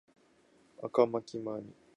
赤巻紙